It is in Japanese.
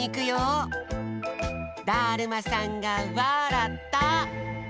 だるまさんがわらった！